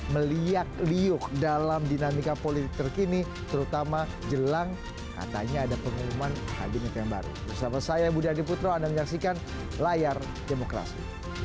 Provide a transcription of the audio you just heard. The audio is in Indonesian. melihat liuh dalam dinamika politik terkini terutama jelang katanya ada pengumuman kabinet yang baru bersama saya budi adiputro anda menyaksikan layar demokrasi